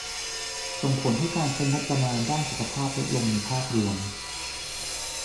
ส่งผลให้การใช้งบประมาณด้านสุขภาพลดลงในภาพรวม